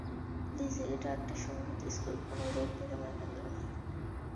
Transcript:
Lessee এটা একটা সংগীত স্কুল, কোন রোগ নিরাময় কেন্দ্র না।